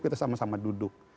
kita sama sama duduk